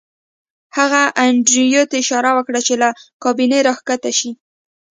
هغې انډریو ته اشاره وکړه چې له کابینې راښکته شي